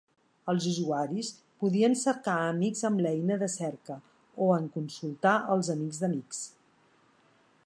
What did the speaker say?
Els usuaris podien cercar amics amb l'eina de cerca o en consultar els amics d'amics.